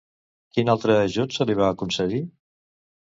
Quin altre ajut se li va concedir?